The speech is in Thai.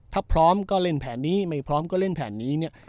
ถ้าพร้อมก็เล่นแผนนี้ไม่พร้อมก็เล่นแผนนี้เนี่ย